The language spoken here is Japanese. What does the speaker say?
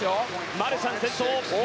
マルシャンが先頭。